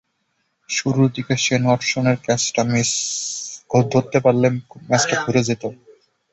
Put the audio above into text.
শুরুর দিকে শেন ওয়াটসনের ক্যাচটা ধরতে পারলে ম্যাচটা ঘুরে যেতে পারত।